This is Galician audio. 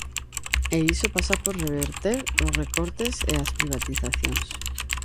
E iso pasa por reverter os recortes e as privatizacións.